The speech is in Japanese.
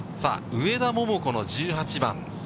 上田桃子の１８番。